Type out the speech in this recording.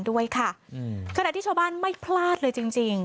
ด้วยค่ะอืมขณะที่ชาวบ้านไม่พลาดเลยจริงจริง